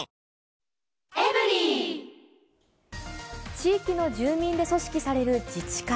地域の住民で組織される自治会。